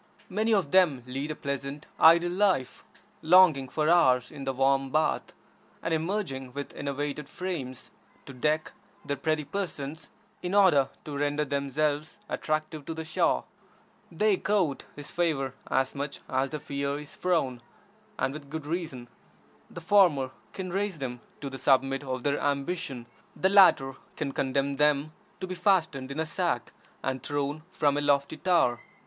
Many of them lead a pleasant, idle life, lounging for hours in the warm bath, and emerging with enervated frames to deck their pretty persons in order to render themselves attractive to the Shah. They court his favor as much as they fear his frown, and with good reason. The former can raise them to the summit of their ambition; the latter can condemn them to be fastened in a sack and thrown from a lofty tower.